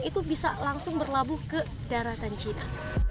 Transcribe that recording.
itu bisa langsung berlabuh ke daratan cina